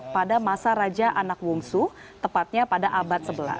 pada masa raja anak wungsu tepatnya pada abad sebelas